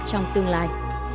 trong tương lai